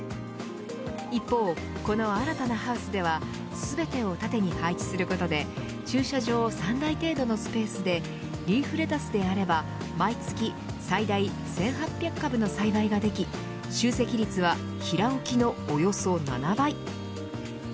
一方、この新たなハウスでは全てを縦に配置することで駐車場３台程度のスペースでリーフレタスであれば毎月最大１８００株の栽培ができ集積率は平置きのおよそ７倍。